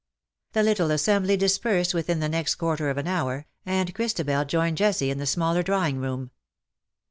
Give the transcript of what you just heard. ^"* The little assembly dispersed within the next quarter of an hour, and Christabel joined Jessie in the smaller drawing room.